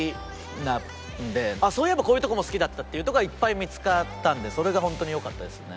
そういえばこういうとこも好きだったっていうとこがいっぱい見付かったんでそれが本当によかったですね。